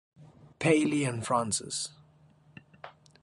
Paley and Francis.